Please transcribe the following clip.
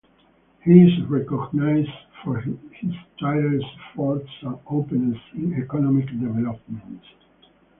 He is recognized for his tireless efforts and openness in economic developments.